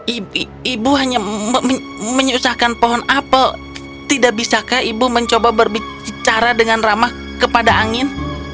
ibu ibu hanya menyusahkan pohon apel tidak bisakah ibu mencoba berbicara dengan ramah kepada angin